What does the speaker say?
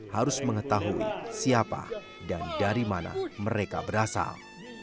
harus mengetahui siapa dan dari mana mereka berasal